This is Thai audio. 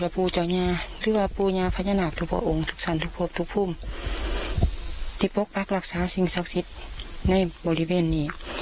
พระองค์ทุกศัลทุกภพทุกภูมิที่ปกปรักษาสิ่งศักดิ์สิทธิ์ในบริเวณนี้